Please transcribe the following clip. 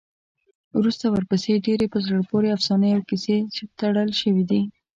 وروسته ورپسې ډېرې په زړه پورې افسانې او کیسې تړل شوي دي.